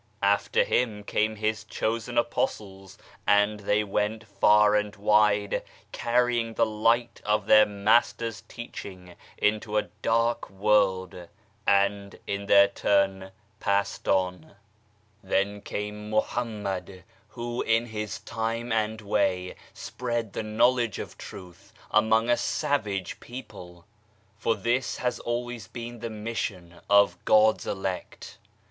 After Him came His chosen Apostles, and they went far and wide, carrying the light of their Master's teaching into a dark world and, in their turn, passed on. no PASTOR WAGNER'S CHURCH Then came Mohammed, who in his time and way spread the Knowledge of Truth among a savage people ; for this has always been the mission of God's elect.